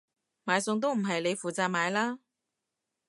買餸都唔係你負責買啦？